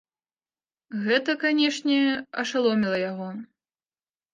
Гэта, канешне, ашаломіла яго.